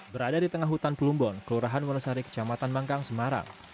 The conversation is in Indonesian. berada di tengah hutan plumbon kelurahan wonosari kecamatan mangkang semarang